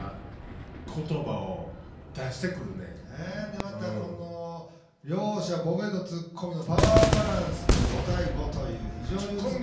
でまたこの両者ボケとツッコミのパワーバランスが５対５という非常に美しい。